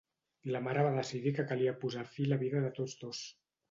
La mare va decidir que calia posar fi a la vida de tots dos.